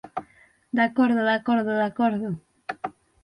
De acordo, de acordo, de acordo.